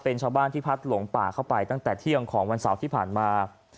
เป็นชาวบ้านที่พัดหลงป่าเข้าไปตั้งแต่เที่ยงของวันเสาร์ที่ผ่านมา